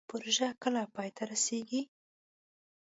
پروژه کله پای ته رسیږي؟